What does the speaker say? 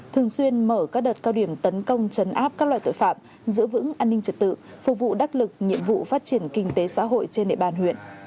thường xuyên mở các đợt cao điểm tấn công chấn áp các loại tội phạm giữ vững an ninh trật tự phục vụ đắc lực nhiệm vụ phát triển kinh tế xã hội trên địa bàn huyện